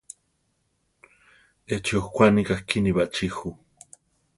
Échi okwaníka kíni baʼchí ju.